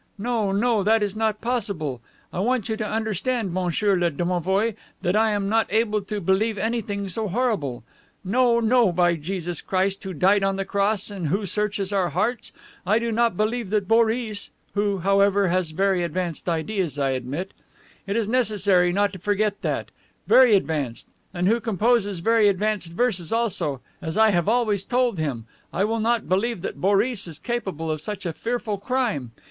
No, no, that is not possible! I want you to understand, monsieur le domovoi, that I am not able to believe anything so horrible. No, no, by Jesus Christ Who died on the Cross, and Who searches our hearts, I do not believe that Boris who, however, has very advanced ideas, I admit it is necessary not to forget that; very advanced; and who composes very advanced verses also, as I have always told him I will not believe that Boris is capable of such a fearful crime.